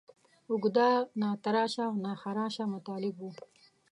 اوږده، ناتراشه او ناخراشه مطالب وو.